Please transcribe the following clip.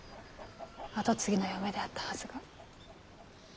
跡継ぎの嫁であったはずが。